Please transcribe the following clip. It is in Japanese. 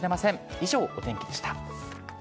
以上、お天気でした。